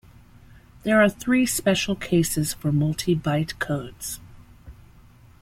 There are three special cases for multi-byte codes.